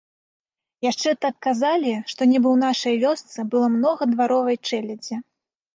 Яшчэ так казалі, што нібы ў нашай вёсцы было многа дваровай чэлядзі.